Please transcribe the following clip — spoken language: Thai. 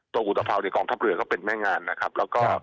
ตัวอุตภัวิ์กองทับเรือก็เป็นแม่งานแล้วก็